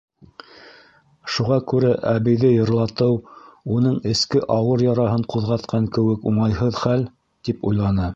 Шуға күрә әбейҙе йырлатыу, уның эске ауыр яраһын ҡуҙғатҡан кеүек уңайһыҙ хәл, тип уйланы.